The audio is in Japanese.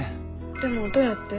でもどうやって？